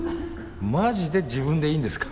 マジで自分でいいんですか？